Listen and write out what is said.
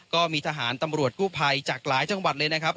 ก็มีทหารตำรวจกู้ภัยจากหลายจังหวัดเลยนะครับ